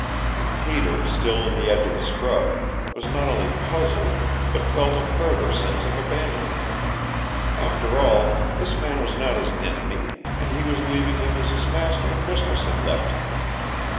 Peter, still in the edge of the scrub, was not only puzzled, but felt a further sense of abandonment. After all, this man was not his enemy, and he was leaving him as his master and mistress had left him.